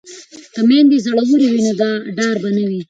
که میندې زړورې وي نو ډار به نه وي.